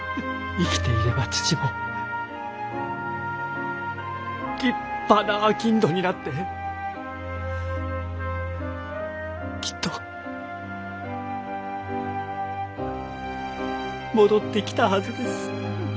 生きていれば父も立派な商人になってきっと戻ってきたはずです。